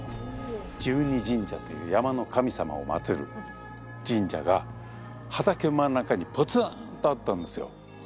十二神社という山の神様を祭る神社が畑の真ん中にポツンとあったんですよ。